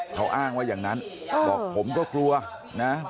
เขาอ้างว่าอย่างนั้นบอกผมก็กลัวนะ